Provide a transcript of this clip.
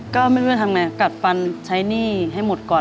ก็ไม่รู้จะทำไงกัดฟันใช้หนี้ให้หมดก่อน